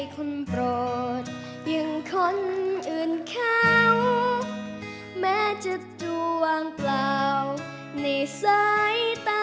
ขอบคุณครับ